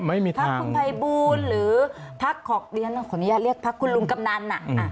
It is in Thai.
ไม่มีทางพระคุณภัยบูรณ์หรือพระคอร์กเรียนขออนุญาตเรียกพระคุณลุงกับนั้น